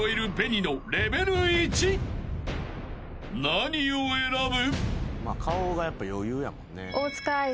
［何を選ぶ？］